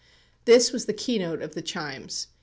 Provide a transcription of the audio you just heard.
This was the keynote of "The Chimes."